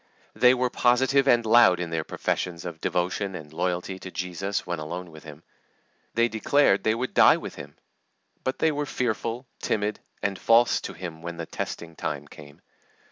They were positive and loud in their professions of devotion and loyalty to Jesus when alone with Him. They declared they would die with Him. But they were fearful, timid, and false to Him when the testing time came.